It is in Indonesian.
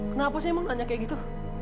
kenapa sih emang nanya kayak gitu